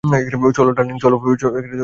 চলো, ডার্লিং।